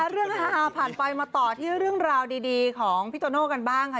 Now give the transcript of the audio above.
ฮาผ่านไปมาต่อที่เรื่องราวดีของพี่โตโน่กันบ้างค่ะ